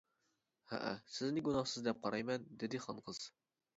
-ھەئە، سىزنى گۇناھسىز دەپ قارايمەن-دېدى خانقىز.